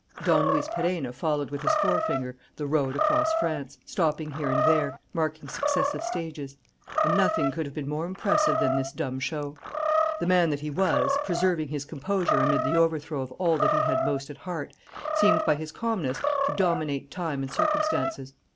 Don Luis Perenna followed with his forefinger the road across France, stopping here and there, marking successive stages. And nothing could have been more impressive than this dumb show. The man that he was, preserving his composure amid the overthrow of all that he had most at heart, seemed by his calmness to dominate time and circumstances.